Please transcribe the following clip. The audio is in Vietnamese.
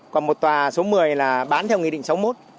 còn một tòa số một mươi bán theo nghị định số một